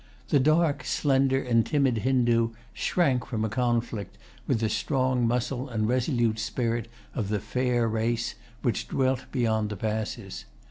The dark, slender, and timid Hindoo shrank from a conflict with the strong muscle and resolute spirit of the fair race, which dwelt beyond the passes.